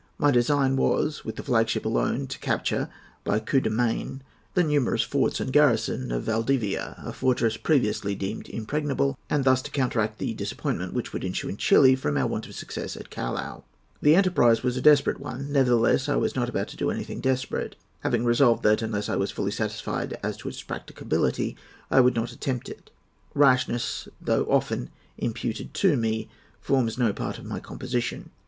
My design was, with the flag ship alone, to capture by a coup de main the numerous forts and garrison of Valdivia, a fortress previously deemed impregnable, and thus to counteract the disappointment which would ensue in Chili from our want of success at Callao. The enterprise was a desperate one; nevertheless, I was not about to do anything desperate, having resolved that, unless I was fully satisfied as to its practicability, I would not attempt it. Rashness, though often imputed to me, forms no part of my composition.